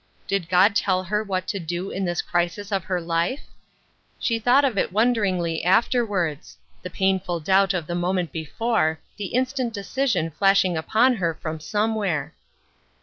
Did God tell her what to do in this crisis of her life ? She thought of it wonderingly after wards — the painful doubt of the moment before, the instant decision flashing upon her from some where.